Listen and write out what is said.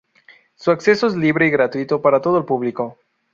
Su acceso es libre y gratuito para todo público.